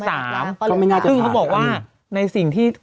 ซึ่งเขาบอกว่าในสิ่งที่